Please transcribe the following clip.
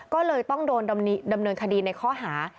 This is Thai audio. ก็เลยต้องโดนดำเนินคดีในข้อหา